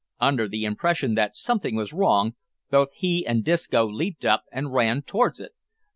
Under the impression that something was wrong, both he and Disco leaped up and ran towards it.